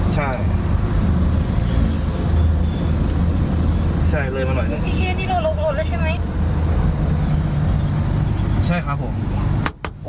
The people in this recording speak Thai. ใช่ครับ